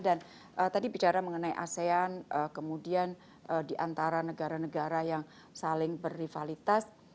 dan tadi bicara mengenai asean kemudian di antara negara negara yang saling berrivalitas